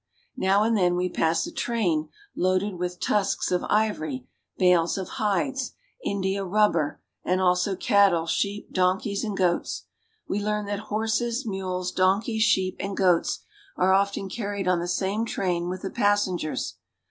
Now and then we pass a train loaded with tusks of ivory, bales of hides, India rubber, and also cattle, sheep, donkeys, and goats. We learn that horses, mules, donkeys, sheep, and goats are often carried on the same train with the passengers.